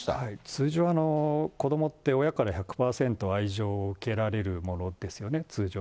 通常、子どもって、親から１００％愛情を受けられるものですよね、通常。